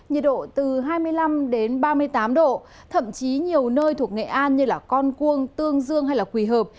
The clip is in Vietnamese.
nhiệt độ phổ biến từ hai mươi năm đến ba mươi tám độ thậm chí nhiều nơi thuộc nghệ an như con quương tương dương hay quỳ hợp